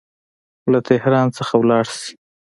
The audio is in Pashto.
له تهران څخه ولاړ سي.